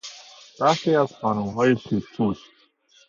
برخی از خانمهای شیک پوش